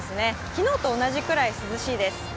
昨日と同じくらい涼しいです。